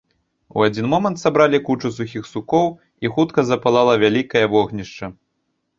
У адзін момант сабралі кучу сухіх сукоў, і хутка запалала вялікае вогнішча.